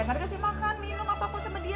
gak ada kasih makan minum apa apa sama dia